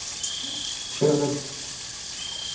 Кӏэрэп.